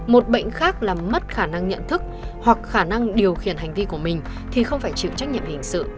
một bệnh khác làm mất khả năng nhận thức hoặc khả năng điều khiển hành vi của mình thì không phải chịu trách nhiệm hình sự